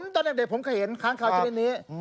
ตอนเด็กผมก็เห็นค้างข่าวที่นี่